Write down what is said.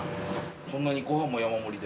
こんなにご飯も山盛りで。